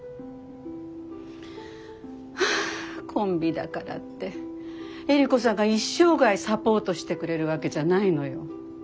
はぁコンビだからってエリコさんが一生涯サポートしてくれるわけじゃないのよ。